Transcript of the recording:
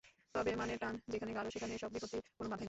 তবে মানের টান যেখানে গাঢ়, সেখানে এসব বিপত্তি কোনো বাধাই নয়।